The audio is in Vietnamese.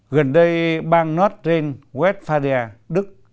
gần đây bang nord stream westfalia đức